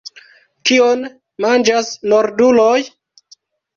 Kion manĝas norduloj?